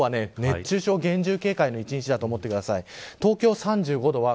一方で今日は熱中症厳重警戒の一日だと思ってください。